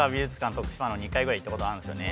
徳島の２回ぐらい行ったことあるんですよね